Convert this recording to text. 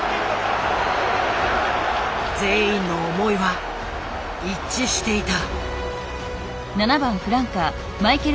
全員の思いは一致していた。